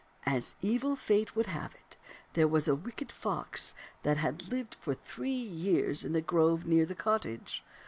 As evil fate would have it, there was a wicked fox that had lived for three years in the grove near the cottage.